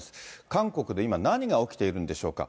韓国で今、何が起きているんでしょうか。